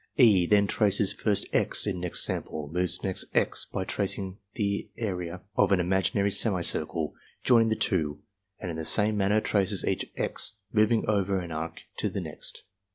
E. then traces first "X" in next sample, moves to next "X" by tracing the arc of an imaginary semicircle joining the two, and in the same manner traces each "X," moving over an arc tc the next.